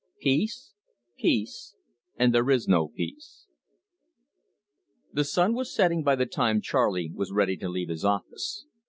"PEACE, PEACE, AND THERE IS NO PEACE"' The sun was setting by the time Charley was ready to leave his office.